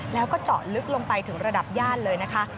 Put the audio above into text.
แล้วก็เจาะลึกลงไปถึงระดับย่านเลยนะคะ